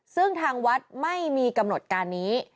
ซึ่งทางวัดไม่มีกำหนดการนี้